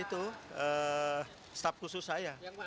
itu staf khusus saya